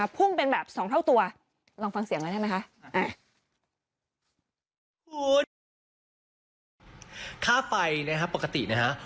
พุ่งเป็นแบบสองเท่าตัวลองฟังเสียงหน่อยได้ไหมคะปกตินะฮะ